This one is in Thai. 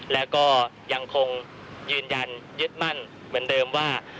แล้วก็ยังคงยืนยันยึดมั่นเหมือนเดิมว่า